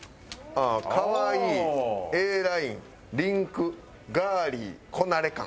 「カワイイ」「Ａライン」「リンク」「ガーリー」「こなれ感」。